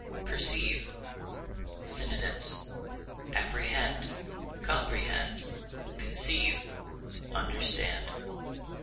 PERCEIVE. Synonyms: apprehend, comprehend, conceive, understand.